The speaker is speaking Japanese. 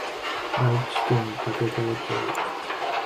愛知県武豊町